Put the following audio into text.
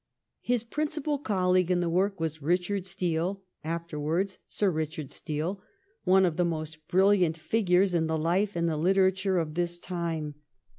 His principal colleague in the work was Eichard Steele, afterwards Sir Eichard Steele, one of the most brilliant figures in the life and the Uterature of his time.